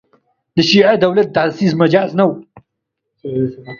د شیعه دولت تاسیس مجاز نه وو.